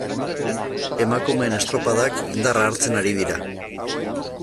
Emakumeen estropadak indarra hartzen ari dira.